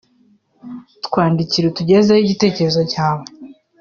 Twandikire utugezeho igitekerezo cyawe